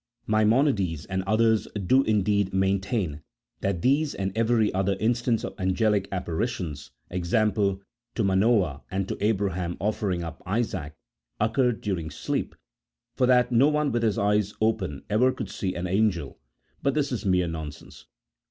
Maimonides and others do indeed maintain that these and every other instance of angelic apparitions (e, g. to Manoah and to Abraham offering up Isaac) occurred during sleep, for that no one with his eyes open ever could see an angel, but this is mere nonsense.